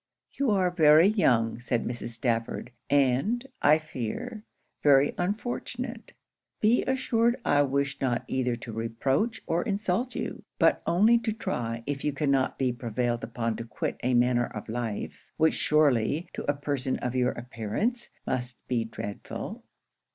'You are very young,' said Mrs. Stafford, 'and, I fear, very unfortunate. Be assured I wish not either to reproach or insult you; but only to try if you cannot be prevailed upon to quit a manner of life, which surely, to a person of your appearance, must be dreadful.'